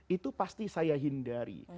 itu pasti saya hindari